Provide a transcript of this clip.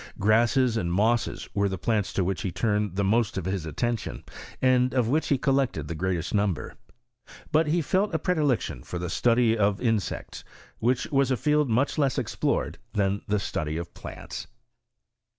Grasses and mosses were tlie plants to which he turned the most of his attention, and of which he collected the greatest number. But he felt a predilection for the study of insects, which was a field much less explored than the study of plants.